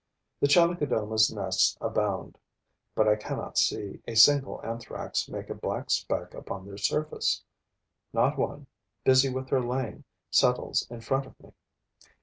The Chalicodoma's nests abound, but I cannot see a single Anthrax make a black speck upon their surface. Not one, busy with her laying, settles in front of me.